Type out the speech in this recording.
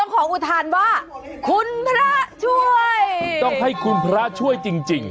ขออุทานว่าคุณพระช่วยต้องให้คุณพระช่วยจริง